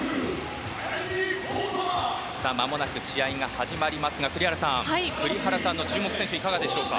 まもなく試合が始まりますが栗原さんの注目選手はいかがでしょうか。